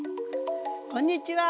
こんにちは。